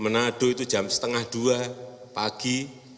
menado itu jam setengah dua pagi